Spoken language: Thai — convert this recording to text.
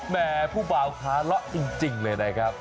แม่ผู้บาวค้าเลาะจริงเลยนะครับ